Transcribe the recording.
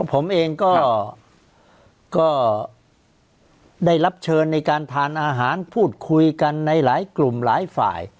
ผมเองก็ได้รับเชิญในการทานอาหารพูดคุยกันในหลายกลุ่มหลายฝ่าย